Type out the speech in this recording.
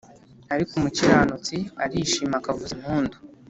ariko umukiranutsi arishima akavuza impundu